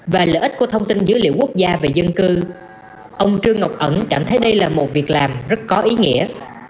và lợi ích của thông tin dữ liệu quốc gia về dân cư ông trương ngọc ẩn cảm thấy đây là một việc làm rất có ý nghĩa